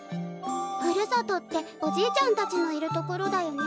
ふるさとっておじいちゃんたちのいる所だよね？